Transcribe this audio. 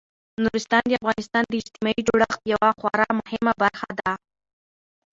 نورستان د افغانستان د اجتماعي جوړښت یوه خورا مهمه برخه ده.